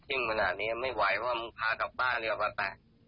ทิ้งมานานนี้ไม่ไหวเพราะมึงพากลับบ้านเลยว่าปะแตะ